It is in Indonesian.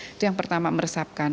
itu yang pertama meresapkan